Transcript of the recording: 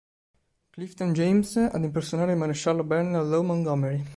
Clifton James ad impersonare il maresciallo Bernard Law Montgomery.